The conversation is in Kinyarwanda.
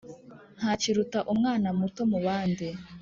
Ntakiruta umwana muto mubandi